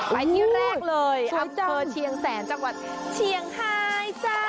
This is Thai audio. ไปที่แรกเลยอำเภอเชียงแสนจังหวัดเชียงไฮจ้า